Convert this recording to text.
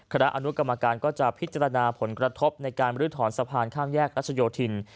คณะอนุกรรมการก็จะพิจารณาผลกระทบในการบรื้อถอนสะพานข้ามแยกรัชโยธิน